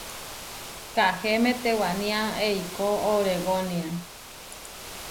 Kahéme tewaniá eikó Obregónia.